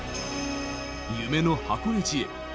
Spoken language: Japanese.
夢の箱根路へ。